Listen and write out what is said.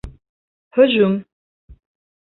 ҺӨЖҮМ